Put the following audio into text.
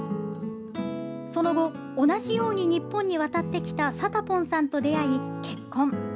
その後同じように日本に渡ってきたサタポンさんと出会い、結婚。